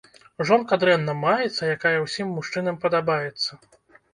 Жонка дрэнна маецца, якая ўсім мужчынам падабаецца.